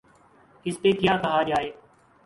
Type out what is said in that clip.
اس پہ کیا کہا جائے؟